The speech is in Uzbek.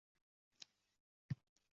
Nargiza o`zini osib qo`yganmish